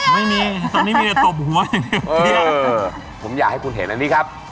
ไม่มีตอนนี้มีแต่ตบหัวอย่างนี้